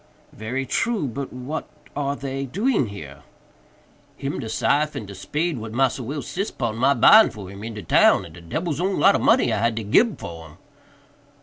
"Very true; but what are they doing here?" "Him de syfe and de spade what Massa Will sis pon my buying for him in de town, and de debbil's own lot of money I had to gib for 'em."